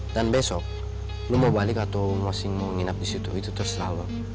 dan besok lo mau balik atau masih mau nginap di situ itu terserah lo